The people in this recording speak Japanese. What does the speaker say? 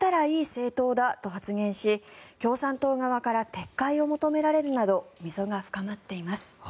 政党だと発言し共産党側から撤回を求められるなど溝が深まっています。